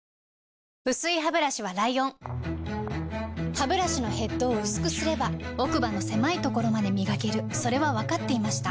薄いハブラシはライオンハブラシのヘッドを薄くすれば奥歯の狭いところまで磨けるそれは分かっていました